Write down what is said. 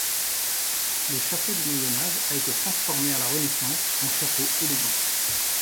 Le château du Moyen-Âge a été transformé à la Renaissance en château élégant.